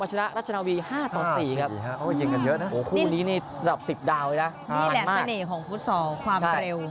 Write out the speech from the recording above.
แหละต่อสองความเร็ว